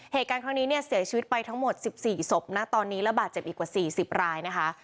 เหตุการณ์ครั้งนี้เนี่ยเสียชีวิตไปทั้งหมด๑๔ศพนะตอนนี้ระบาดเจ็บอีกกว่า๔๐รายนะคะ